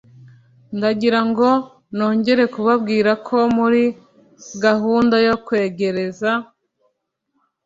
ndagira ngo nongere kubabwira ko muri gahunda yo kwegereza